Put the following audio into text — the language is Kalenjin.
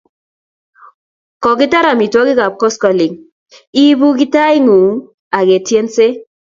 Kukakitar amitwokik ab koskoling, iibu kitait ngung aketiense